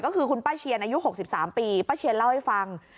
ก็คือคุณป้าเชียนอายุ๖๓ปีป้าเชียนเล่าให้ฟัง